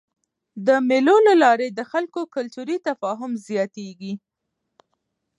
د مېلو له لاري د خلکو کلتوري تفاهم زیاتېږي.